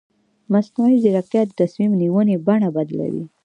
مصنوعي ځیرکتیا د تصمیم نیونې بڼه بدلوي.